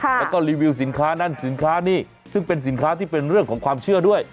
แล้วก็รีวิวสินค้านั่นสินค้านี่ซึ่งเป็นสินค้าที่เป็นเรื่องของความเชื่อด้วย